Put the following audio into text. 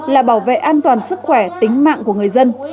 là bảo vệ an toàn sức khỏe tính mạng của người dân